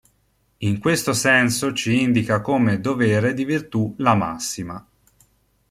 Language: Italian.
In questo senso ci indica come dovere di virtù la massima.